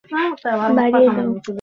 তা, ওর মাইনে বাড়িয়ে দাও!